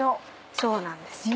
そうなんですよ。